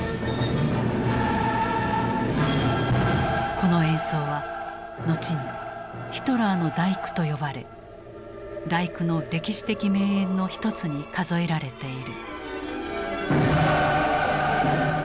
この演奏は後に「ヒトラーの第九」と呼ばれ「第九」の歴史的名演の一つに数えられている。